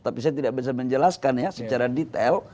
tapi saya tidak bisa menjelaskan ya secara detail